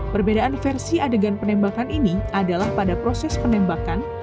perbedaan versi adegan penembakan ini adalah pada proses penembakan